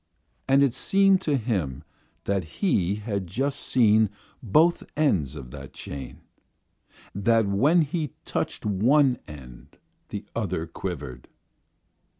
And it seemed to him that he had just seen both ends of that chain; that when he touched one end the other quivered.